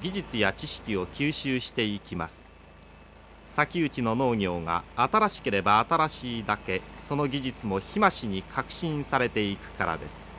砂丘地の農業が新しければ新しいだけその技術も日増しに革新されていくからです。